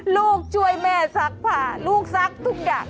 ลูกช่วยแม่ซักผ้าลูกซักทุกอย่าง